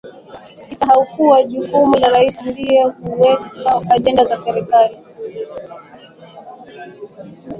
isahau kuwa jukumu la rais ndiye huweka agenda za serikali